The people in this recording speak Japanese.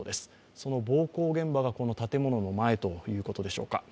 その暴行現場がこの建物の前ということでしょうか。